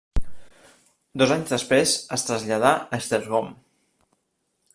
Dos anys després es traslladà a Esztergom.